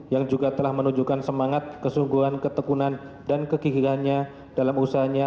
yang juga telah menunjukkan semangat kesungguhan ketekunan dan kegigihannya dalam usahanya